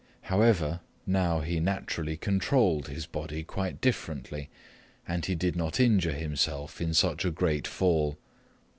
However, now he naturally controlled his body quite differently, and he did not injure himself in such a great fall.